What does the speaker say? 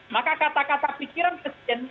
maka kata kata pikiran presiden